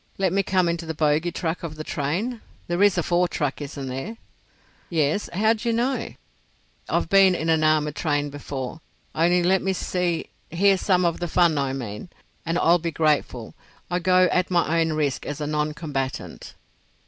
Let me come into the bogie truck of the train. There is a fore truck, isn't there?" "Yes. How d'you know?" "I've been in an armoured train before. Only let me see—hear some of the fun I mean, and I'll be grateful. I go at my own risk as a non combatant."